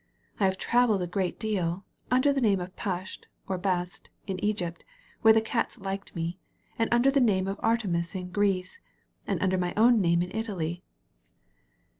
I have travelled a great deal — ^under the name of Pasht or Bast, in Egypt, where the Cats liked me; and under the name of Artemis in Greece; and under my own name in Italy.